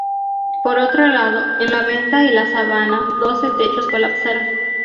Por otro lado, en La Venta y La Sabana, doce techos colapsaron.